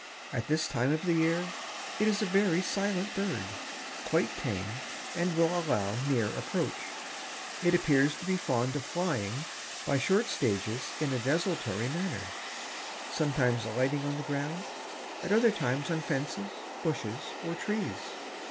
At this time of the year it is a very silent bird, quite tame and will allow near approach. It appears to be fond of flying by short stages in a desultory manner, sometimes alighting on the ground, at other times on fences, bushes or trees."